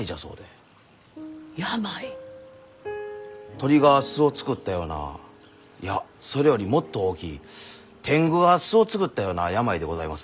鳥が巣を作ったようないやそれよりもっと大きい天狗が巣を作ったような病でございます。